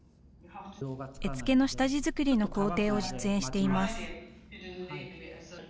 絵付けの下地作りの工程を実演しています。